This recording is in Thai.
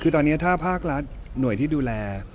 คือตอนนี้ถ้าภาครัฐหน่วยที่ดูแล